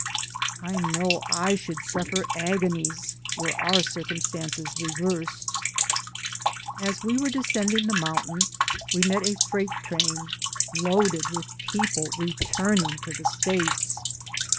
I know I should suffer agonies' were our circum stances reversed. As we were descending the mountain we met a freight train loaded with people re turning to the States.